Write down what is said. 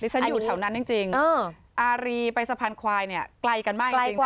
ฉันอยู่แถวนั้นจริงอารีไปสะพานควายเนี่ยไกลกันมากจริง